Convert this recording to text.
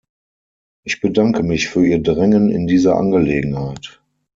Ich bedanke mich für Ihr Drängen in dieser Angelegenheit.